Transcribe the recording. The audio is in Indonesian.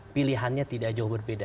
pilihannya tidak jauh berbeda